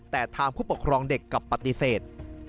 แต่ทางผู้ปกครองเด็กกลับปฏิเสธ